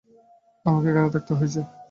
আমাকে এখানে থাকতে হয়েছে।